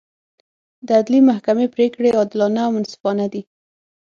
د عدلي محکمې پرېکړې عادلانه او منصفانه دي.